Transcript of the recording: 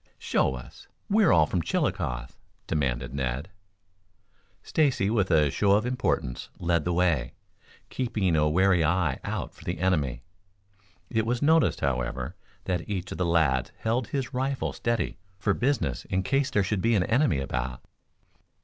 "Show us. We're all from Chillicothe," demanded Ned. Stacy, with a show of importance, led the way, keeping a wary eye out for the enemy. It was noticed, however, that each of the lads held his rifle ready for business in case there should be an enemy about.